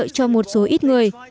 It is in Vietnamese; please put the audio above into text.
và có lợi cho một số ít người